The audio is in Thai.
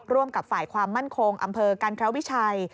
ร่วมกับฝ่ายความมั่นคงอำเภอกันทรวิชัย